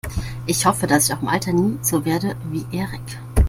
Ich hoffe, dass ich auch im Alter nie so werde wie Erik.